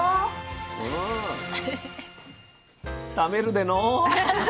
食べるでの。